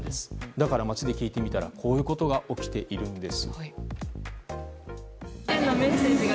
だから街で聞いてみたらこういうことが起きているんです。